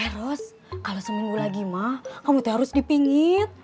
ros kalau seminggu lagi ma kamu harus dipinggit